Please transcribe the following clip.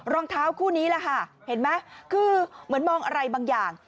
รองเท้าคู่นี้แหละค่ะเห็นไหมคือเหมือนมองอะไรบางอย่าง